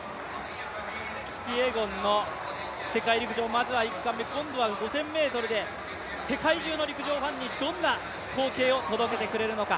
キピエゴンの世界陸上、まずは１冠目、今度は５０００ｍで世界中の陸上ファンにどんな光景を届けてくれるのか。